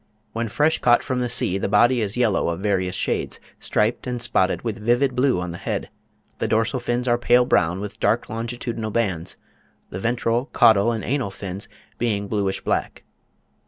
When fresh caught from the sea the body is yellow of various shades, striped and spotted with vivid blue on the head; the dorsal fins are pale brown with dark longitudinal bands; the ventral, caudal, and anal fins being bluish black.